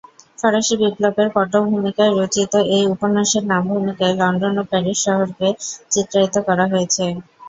ফরাসি বিপ্লবের পটভূমিকায় রচিত এই উপন্যাসে নাম ভূমিকায় লন্ডন ও প্যারিস শহরকে চিত্রায়িত করা হয়েছে।